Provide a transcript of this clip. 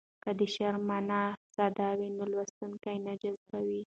که د شعر مانا ساده وي نو لوستونکی نه جذبوي.